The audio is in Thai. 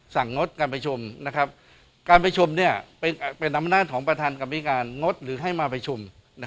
งดการประชุมการประชุมเป็นอำนาจของประธานกรรมธิการงดหรือให้มาประชุม